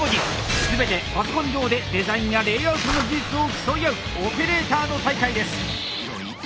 全てパソコン上でデザインやレイアウトの技術を競い合うオペレーターの大会です！